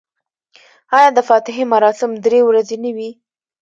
آیا د فاتحې مراسم درې ورځې نه وي؟